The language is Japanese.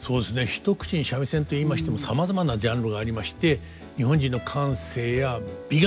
一口に三味線と言いましてもさまざまなジャンルがありまして発展してるんだ。